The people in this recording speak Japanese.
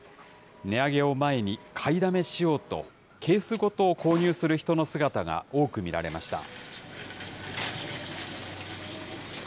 値上げを前に、買いだめしようと、ケースごと購入する人の姿が多く見られました。